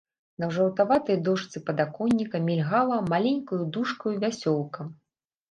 На жаўтаватай дошцы падаконніка мільгала маленькаю дужкаю вясёлка.